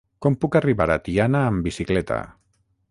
Com puc arribar a Tiana amb bicicleta?